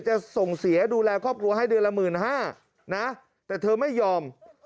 จะส่งเสียดูแลครอบครัวให้เดือนละ๑๕๐๐นะแต่เธอไม่ยอม